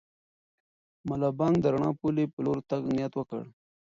ملا بانګ د رڼا د پولې په لور د تګ نیت وکړ.